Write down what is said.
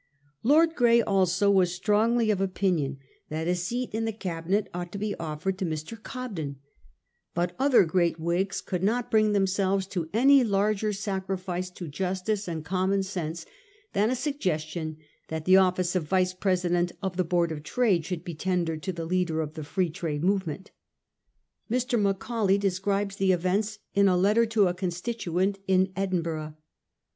Lord Grey also was strongly of opinion that a seat in the 374 A HISTORY OR OUR OWN TIMES. cn. xv. Cabinet ought to be offered to Mr. Cobden ; but other great Whigs could not bring themselves to any larger sacrifice to justice and common sense than a suggestion that the office of Vice President of the Board of Trade should be tendered to the leader of the Free Trade movement. Mr. Macaulay describes the events in a letter to a constituent in Edin burgh.